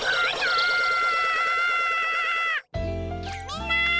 みんな！